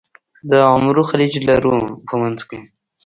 د عمرو خلیج لرو په منځ کې.